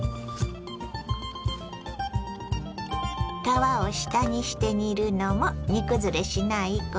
皮を下にして煮るのも煮崩れしないコツ。